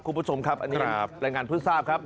คุณผู้ชมครับอันนี้แรงงานพฤศาสตร์ครับ